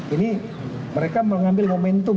ini mereka mengambil momentum